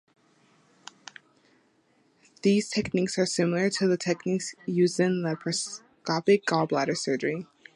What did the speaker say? These techniques are similar to the techniques used in laparoscopic gallbladder surgery.